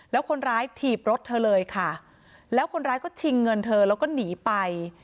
แล้วคนร้ายถีบรถเธอเลยค่ะแล้วคนร้ายก็ชิงเงินเธอแล้วก็หนีไป